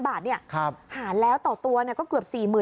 ๔๗๕๐๐๐บาทหาแล้วต่อตัวก็เกือบ๔๐๐๐๐บาท